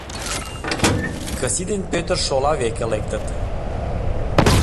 Кысти ден Пӧтыр шола веке лектыт.